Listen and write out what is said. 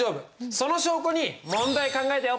その証拠に問題考えたよ。